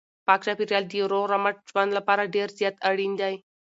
پاک چاپیریال د روغ رمټ ژوند لپاره ډېر زیات اړین دی.